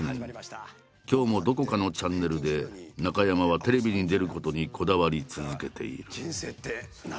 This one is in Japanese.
今日もどこかのチャンネルで中山はテレビに出ることにこだわり続けている。